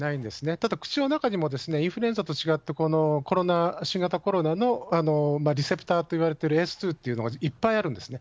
ただ口の中にも、インフルエンザと違って、新型コロナのリセプターといわれてるエース２というのがいっぱいあるんですね。